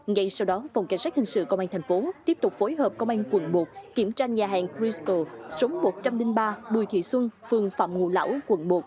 ngay sau đó phòng cảnh sát hình sự công an tp hcm tiếp tục phối hợp công an quận một kiểm tra nhà hàng chrisco số một trăm linh ba bùi thị xuân phường phạm ngũ lão quận một